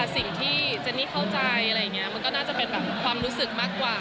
สิ่งที่เจนี่เข้าใจมันก็น่าจะเป็นความรู้สึกมากกว่า